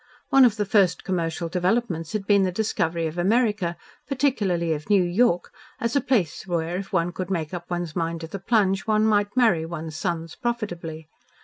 One of the first commercial developments had been the discovery of America particularly of New York as a place where if one could make up one's mind to the plunge, one might marry one's sons profitably.